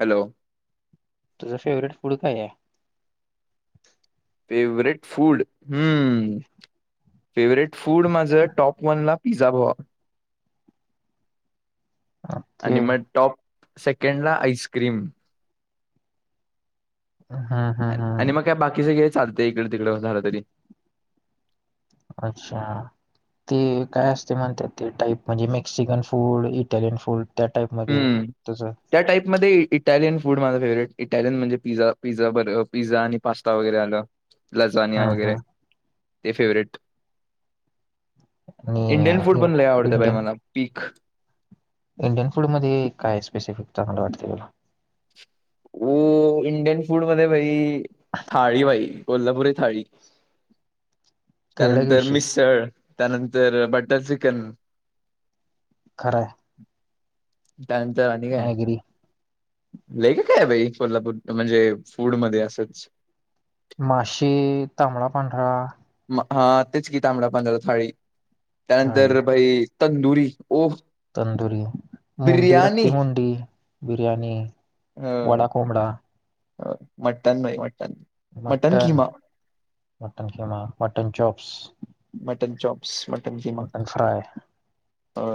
Hello माझ favourite food काय आहे. फेवरेट फूड ह्म फेवरेट फूड माझं टॉप वन ला पिझ्झा भावा. ते आणि मग टॉप सेकंडला आईस्क्रीम हम्म हम्म आणि हम्म मग काय बाकी सगळं चालतं इकडे तिकडे झालं तरी अच्छा. ते काय असते म्हणतात ते टाईप म्हणजे मेक्सिकन फूड, इटालियन फूड त्या टाईप मध्ये हम्म तुझं त्या टाईपमध्ये इटालियन फूड माझ फेवरेट इटालियन म्हणजे पिझा पिझा बर्गर पिझ्झा आणि पास्ता वगैरे आलं. लजानिया हम्म वगैरे हम्म ते फेवरेट. आणि इंडियन फूड पण लय आवडत भाई इंडियन मला पीक इंडियन फूड मध्ये काय स्पेशली चांगला वाटत तुला हो इंडियन फूड मध्ये भाई थाळी भाई कोल्हापुरी थाळी [inaudible] त्यानंतर विषय मिसळ त्यानंतर बटर चिकन खरं हाय त्या नंतर आणि काय लय काय भाई कोल्हापूर म्हणजे फूड मध्ये असंच. माशे, तांबडा, पांढरा, हा तेच की तांबडा पांडरा थाळी थाळी त्यानंतर भाई तंदुरी. ओ तंदुरी मुंडी, बिर्याणी रक्ती मुंडी, बिरयाणी. अ वडा कोंबडा. मटन नाही. Mutton, mutton keema, mutton chops. Mutton chops, mutton keema. Mutton fry हो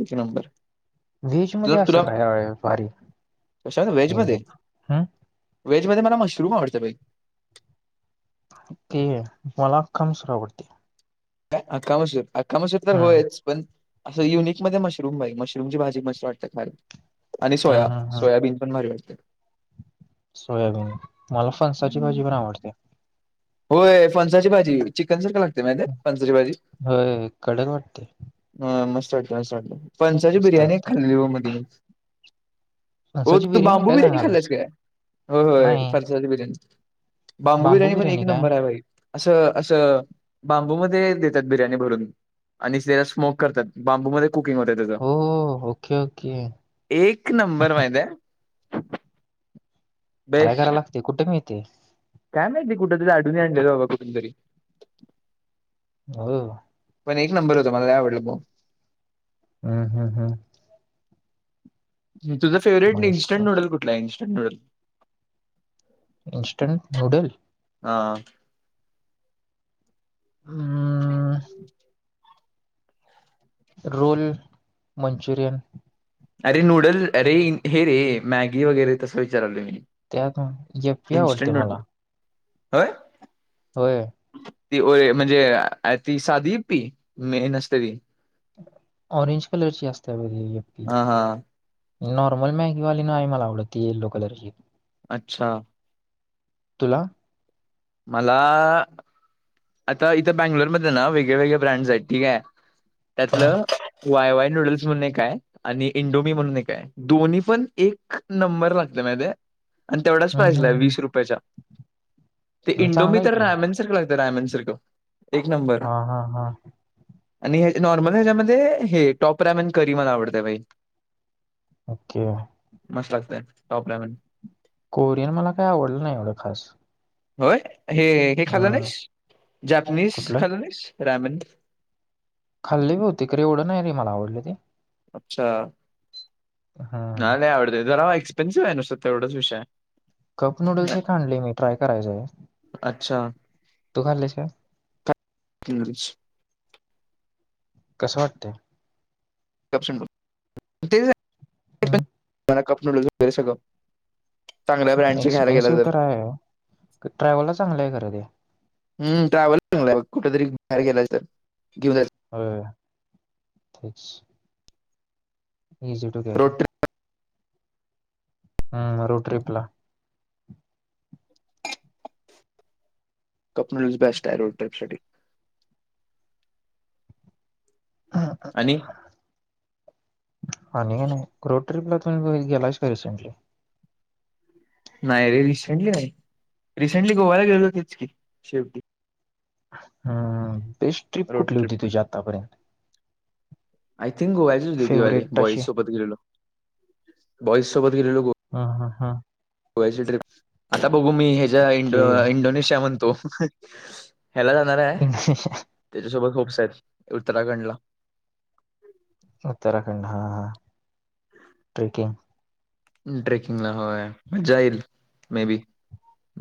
एक नंबर. व्हेज तुला मध्ये असं तुला काय भारी कशामध्ये व्हेज इंडियन मध्ये हम. व्हेज मध्ये मला मशरूम आवडत भाई. ते मला आखा मसूर आवडतं. काय आखा मसूर आखा मसूर तर होयच पण असं युनिक मध्ये मशरूम भाई मशरूम ची भाजी मस् वाटते खायाला. आणि सोया हम्म हम्म हम्म सोयाबीन पण भारी वाटते. सोयाबीन मला फणसाची भाजी पण आवडते. होय फणसाची भाजी चिकन सारख लागते. माहीत हाय फणसची भाजी, होय कडक वाटते होय मस्त वाटते मस्त वाटत. फणसची मस्त बिर्याणी एक वाटते खाल्ली ब मध्ये मी. हो फणसाची तू बांबू काय बिर्याणी सांगालास खाल्लच काये? हो होय नाही फणसची बिर्याणी. बांबू बिर्याणी पण एक नंबर आहे भाई असं असं बांबूमध्ये देत्या त बिर्याणी भरून आणि त्याजात स्मोक करत्यात बांबू मध्ये कुकिंग होतय त्याज, हो हो ओके ओके एक नंबर माहित हाय. ट्राय करायला लागतय कुठे मिळत्या. काय माहिती कुठ, ती ड्याडी नी आणलेली बाबा कुठून तरी. हो. पण एक नंबर होत मला काय आवडलं मग. हम्म हम्म हम्म. तुझा फेवर्हेट नाईस इनंस्टंट नूडल कुठला आहे इन्स्टंट नूडल. Instant noodle. हा. हम. Roll Manchurian. अरे नूडल अरे हे रे मॅगी वगैरे तसं विचारालोय मी. त्यात यप्पी हाय वाटते इन्स्टंट नूडल मला होय हम ती ओ म्हणजे ती साधी यपी मेन असते ऑरेंज कलरची असत्या बग आहे यीपी हा हा नॉर्मल मॅगीवाली नाय मला आवडत ती येल्लो कलरची अच्छा तुला मला आता इथं बॅंगलोरमध्येध ना वेगळे वेगळे ब्रँडस आहेत ठीक आहे हं, त्यातलं वाय वाय नूडल्स म्हणून एकाय आणि इंडोमी म्हणून एकाय दोन्ही पण एक नंबर लागतय आणि तेवढ्याच हं, पार्टीला हाय हं, हं. वीस रुपयाच्या ती हं, इंडोने चांगला आहे तर की रायमन सरक का हा हा हा आणि नॉर्मल ह्याच्यामध्ये हे टॉप रॅमन करी मला आवडत भाई ओके टॉपलेमन कोरियन मला काही आवडलं नाही एवढं खास होय हे हे खाल्ल हं, नाहीस जापनीस कुठलं खाल्ल नाहीस रॅमन खाल्ले बहुतेक पण एवढं नाही रे मला आवडले ते अच्छा हं मला वयि आवडत जरा एक्सपेनसिव आहे नुसत एवढंच विषय कप नूडल्स नाही. एक आडले मी ट्राय करायचय अच्छा तू खालेस का कंगारज कसं वाटतय ते हम स एक्सपेन्सिव तर आहे ट्रॅव्हलला चांगलंय खरं ते हम् ट्रवलला कुठेतरी बाहेर गेलायच घेऊजा हो तेच इझी टू केअर आहे रोड ट्रिप हम्म रूट्रिपला कपनज बेस्ट आहे रोड ट्रिप साठी आणि ह का नाही गो ट्रीपला तुम्ही गेला का रिसेंटली नाही रे रिसेंटली नाही रिसेंटली गोवाला गेलोतेच तेच की शेवटी हम् बेस्ट ट्रिप कुठली होती तुझी आतापर्यंत आय थिंक गोव्याचीच होती तीवाली फेवरेट बॉईज अशी सोबत गेलेलो बॉईस सोबत गेलेलो गो हा गोव्याची ट्रिप आता बघू मी ह्याच्या इंड की इंडोनेशिया म्हणतो ह्यायला जाणार आहे त्याच्यासोबत होपस आहेत उत्तराखंड ला उत्तराखंड हा हा ट्रेकिंग ट्रेकिंग ना हो मजा येंईल may be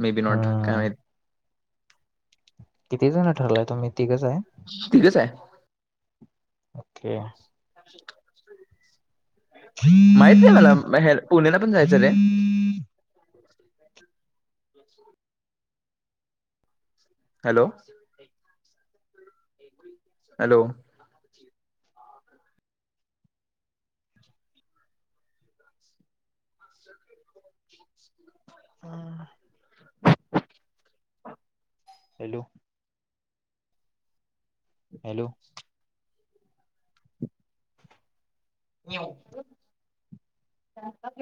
may be not काय हम्म माहित किती जण ठरलाय तुम्ही तिघच आहे तिघच आहे ओके [unintelligible] माहित आहे मला पुण्याला पण जायचं रे हॅलो हॅलो अस हुं [unintelligible] हॅलो हॅलो [unintelligible]